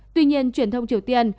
tuy nhiên truyền thông triều tiên